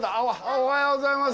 おはようございます。